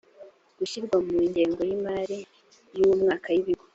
gashyirwa mu ngengo y imari y uwo mwaka y ibigo